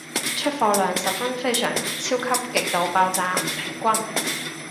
出貨量十分非常超級極度爆炸唔平均